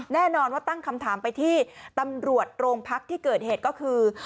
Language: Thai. แน่นอนว่าตั้งคำถามไปที่ตำรวจโรงพักที่เกิดเหตุก็คือ